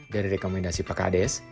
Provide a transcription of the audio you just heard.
dari rekomendasi pak kades